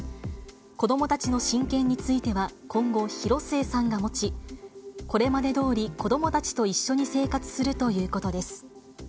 子どもたちの親権については、今後、広末さんが持ち、これまでどおり、子どもたちと一緒に生活するということです。